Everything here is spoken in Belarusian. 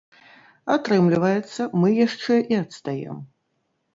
Атрымліваецца, мы яшчэ і адстаем.